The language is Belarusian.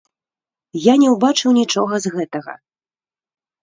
Я не ўбачыў нічога з гэтага.